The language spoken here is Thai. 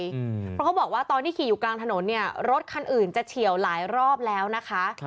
เพราะเขาบอกว่าตอนที่ขี่อยู่กลางถนนเนี่ยรถคันอื่นจะเฉียวหลายรอบแล้วนะคะ